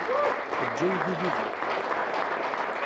Eǧǧ aydi deg beṛṛa.